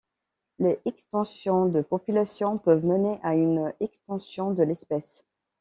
Les extinctions de populations peuvent mener à une extinction de l'espèce.